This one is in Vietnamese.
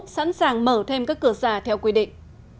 sẵn sàng mở thêm các cửa xà theo quy định